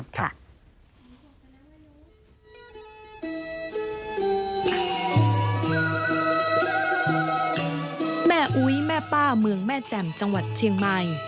แม่อุ๊ยแม่ป้าเมืองแม่แจ่มจังหวัดเชียงใหม่